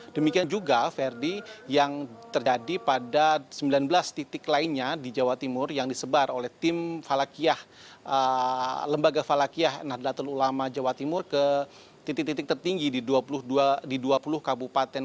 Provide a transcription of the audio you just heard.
demikian juga verdi yang terjadi pada sembilan belas titik lainnya di jawa timur yang disebar oleh tim lembaga falakiyah nahdlatul ulama jawa timur ke titik titik tertinggi di dua puluh kabupaten